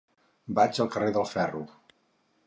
Vaig al carrer del Ferro.